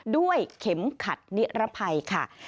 ด้วยเข็มขัดนิรภัยค่ะ